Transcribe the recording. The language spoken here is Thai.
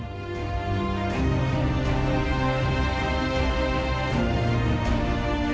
โปรดติดตามตอนต่อไป